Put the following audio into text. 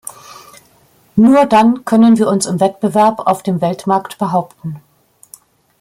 Nur dann können wir uns im Wettbewerb auf dem Weltmarkt behaupten.